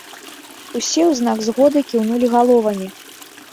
Усе ў знак згоды кіўнулі галовамі.